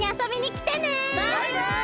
バイバイ！